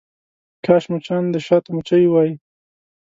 کاش مچان د شاتو مچۍ وی.